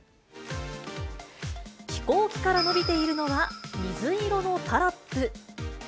飛行機から伸びているのは水色のタラップ。